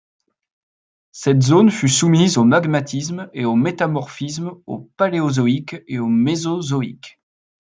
Cette zone fut soumise au magmatisme et au métamorphisme au Paléozoïque et au Mésozoïque.